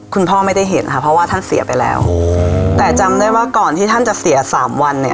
คุณพ่อไม่ได้เห็นค่ะเพราะว่าท่านเสียไปแล้วแต่จำได้ว่าก่อนที่ท่านจะเสียสามวันเนี่ย